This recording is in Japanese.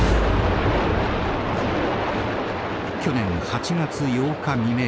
去年８月８日未明